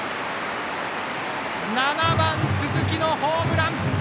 ７番、鈴木のホームラン！